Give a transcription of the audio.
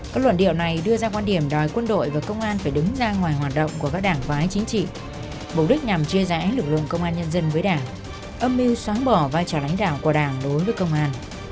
các luận điệu này đưa ra quan điểm đòi quân đội và công an phải đứng ra ngoài hoạt động của các đảng phái chính trị mục đích nhằm chia rẽ lực lượng công an nhân dân với đảng âm mưu xóa bỏ vai trò lãnh đạo của đảng đối với công an